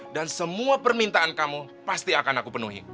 dan semua permintaan kamu pasti akan aku penuhi